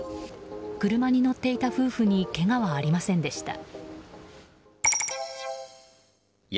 車に乗っていた夫婦にけがはありませんでした。